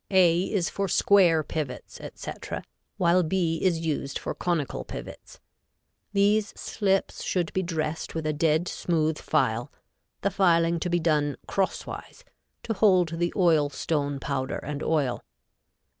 A is for square pivots, etc., while B is used for conical pivots. These slips should be dressed with a dead smooth file, the filing to be done crosswise, to hold the oil stone powder and oil.